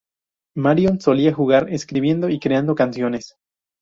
Marion solía jugar escribiendo y creando canciones.